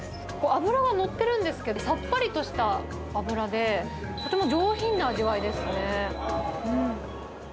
脂が乗ってるんですけど、さっぱりとした脂で、とても上品な味わいですね。